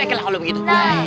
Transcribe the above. baiklah kalau begitu